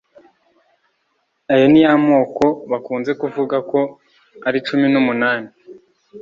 Ayo ni ya moko bakunze kuvuga ko ari cumi n’umunani,